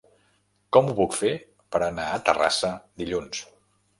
Com ho puc fer per anar a Terrassa dilluns?